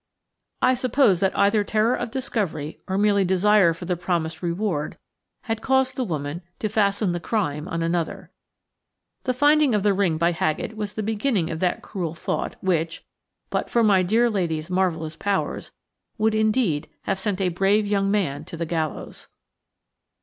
I suppose that either terror of discovery or merely desire for the promised reward had caused the woman to fasten the crime on another. The finding of the ring by Haggett was the beginning of that cruel thought which, but for my dear lady's marvellous powers, would indeed have sent a brave young man to the gallows.